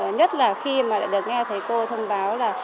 nhất là khi mà lại được nghe thấy cô thông báo là